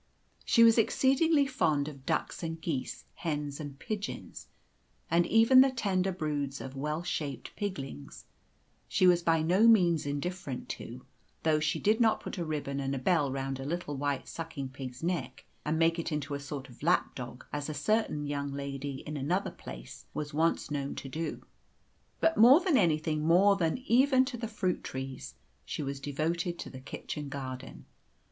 She was exceedingly fond of ducks and geese, hens and pigeons, and even the tender broods of well shaped piglings she was by no means indifferent to, though she did not put a ribbon and a bell round a little white sucking pig's neck and make it into a sort of lap dog, as a certain young lady, in another place, was once known to do. But more than anything more than even to the fruit trees she was devoted to the kitchen garden.